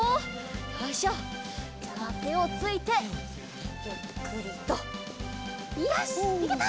よいしょじゃあてをついてゆっくりとよしいけた！